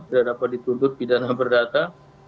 tidak dapat dituntut pidana berdata